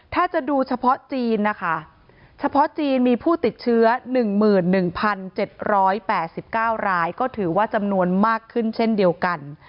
ถ้าจะดูเฉพาะจีนนะคะเฉพาะจีนมีผู้ติดเชื้อ๑๑๗๘๙รายก็ถือว่าจำนวนมากขึ้นเช่นเดียวกัน